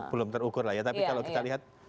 belum terukur lah ya tapi kalau kita lihat